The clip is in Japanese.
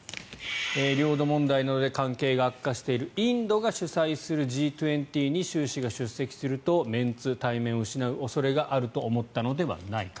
領土問題などで関係が悪化しているインドが主催するＧ２０に習氏が出席するとメンツ体面を失う恐れがあると思ったのではないか。